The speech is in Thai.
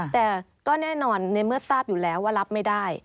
แต่ก็แน่นอนในเมื่อทราบอยู่แล้วว่ารับไม่ได้